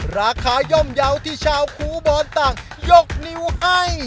ย่อมเยาว์ที่ชาวครูบอลต่างยกนิ้วให้